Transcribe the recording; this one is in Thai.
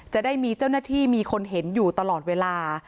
จะได้มีเจ้าหน้าที่มีคนเห็นอยู่ตลอดเวลา